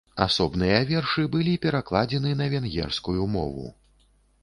Асобныя вершы былі перакладзены на венгерскую мову.